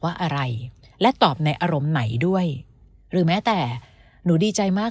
ว่าอะไรและตอบในอารมณ์ไหนด้วยหรือแม้แต่หนูดีใจมาก